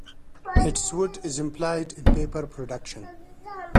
Its wood is employed in paper production.